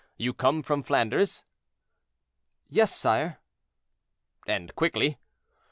You come from Flanders?" "Yes, sire." "And quickly?"